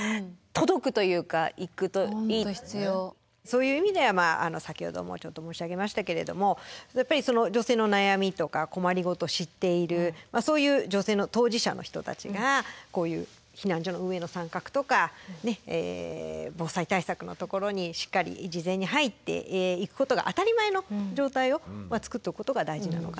そういう意味では先ほどもちょっと申し上げましたけれども女性の悩みとか困り事を知っているそういう女性の当事者の人たちがこういう避難所の運営の参画とか防災対策のところにしっかり事前に入っていくことが当たり前の状態を作っておくことが大事なのかなと思いますね。